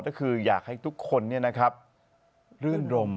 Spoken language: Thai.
ก็คืออยากให้ทุกคนเนี่ยนะครับรื่นรม